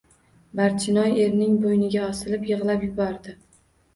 Barchinoy erining bo‘yniga osilib. yig‘lab yubordi.